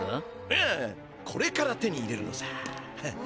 いやこれから手に入れるのさ。